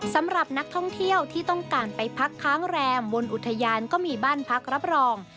สำหรับนักท่องเที่ยวที่ต้องการไปพักค้างแรมบนอุทยานก็มีบ้านพักรับรอง